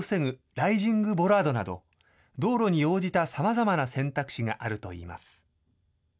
ライジングボラードなど、道路に応じた様々な選択肢があるといいます。